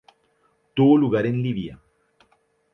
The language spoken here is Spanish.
Tuvo lugar en Libia.